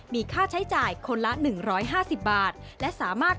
มีค่าใช้จ่ายคนละ๑๕๐บาท